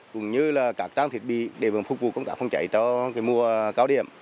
cũng như là các trang thiết bị để phục vụ công tác phòng cháy cho mùa cao điểm